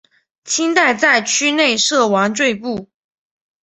清代在区内设王赘步。